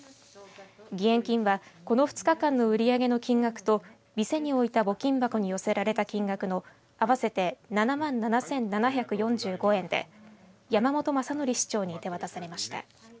義援金はこの２日間の売り上げの金額と店に置いた募金箱に寄せられた金額の合わせて７万７７４５円で山本正徳市長に手渡されました。